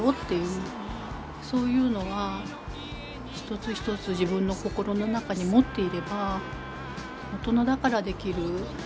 そういうのは一つ一つ自分の心の中に持っていれば大人だからできる。